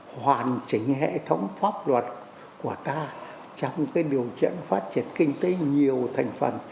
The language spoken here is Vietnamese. hoàn chỉnh hệ thống pháp luật của ta trong cái điều kiện phát triển kinh tế nhiều thành phần